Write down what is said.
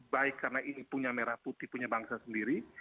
baik karena ini punya merah putih punya bangsa sendiri